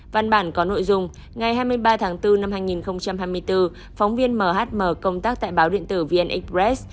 văn bản có nội dung ngày hai mươi ba tháng bốn năm hai nghìn hai mươi bốn phóng viên mhm công tác tại báo điện tử vn express